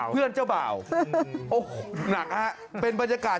เพื่อนเจ้าบ่าวโอ้โหหนักครับเป็นบรรยากาศที่ไม่เคยเห็นมาก่อน